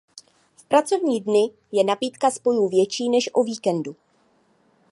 V pracovní dny je nabídka spojů větší než o víkendu.